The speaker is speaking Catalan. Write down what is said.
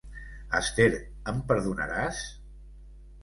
Esther, em perdonaràs?